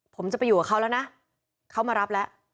ผมจะไปอยู่กับเขาแล้วนะเขามารับแล้ว